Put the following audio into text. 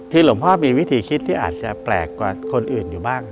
คือหลวงพ่อมีวิธีคิดที่อาจจะแปลกกว่าคนอื่นอยู่บ้าง